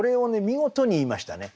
見事に言いましたね。